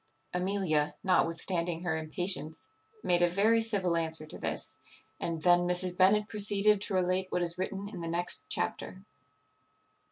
Amelia, notwithstanding her impatience, made a very civil answer to this; and then Mrs. Bennet proceeded to relate what is written in the next chapter.